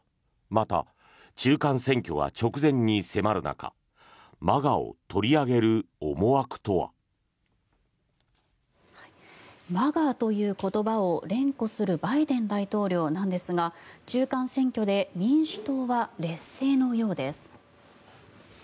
また、中間選挙が直前に迫る中ＭＡＧＡを取り上げる思惑とは。ＭＡＧＡという言葉を連呼するバイデン大統領ですが中間選挙で民主党は劣勢のようです。